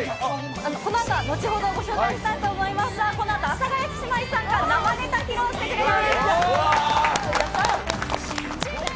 このあとは後ほどご紹介したいと思いますが、このあと阿佐ヶ谷姉妹さんが生ネタ披露してくれます。